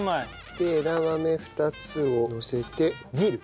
で枝豆２つをのせてディル。